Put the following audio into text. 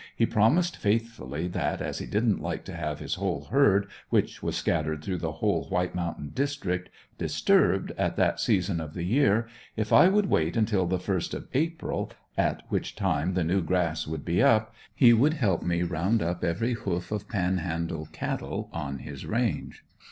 He promised faithfully that, as he didn't like to have his whole herd, which was scattered through the whole White Mountain district, disturbed at that season of the year, if I would wait until the first of April, at which time the new grass would be up, he would help me round up every hoof of Panhandle cattle on his range.